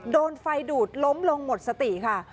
โดนไฟดูดล้มลงหมดสติค่ะ